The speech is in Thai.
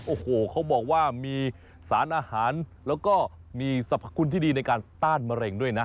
โอ้โหเขาบอกว่ามีสารอาหารแล้วก็มีสรรพคุณที่ดีในการต้านมะเร็งด้วยนะ